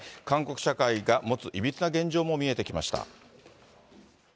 韓国社会が持ついびつな現状も見えてきました。